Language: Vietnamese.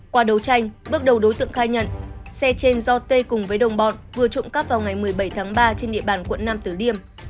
qua đấu tranh bước đầu đối tượng khai nhận xe trên do tê cùng với đồng bọn vừa trộm cắp vào ngày một mươi bảy tháng ba trên địa bàn quận nam tử liêm